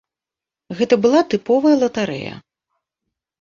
Гэта была тыповая латарэя!